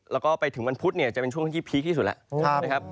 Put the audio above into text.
แล้วก็ไปถึงวันพุธจะเป็นช่วงที่พีคที่สุดแล้ว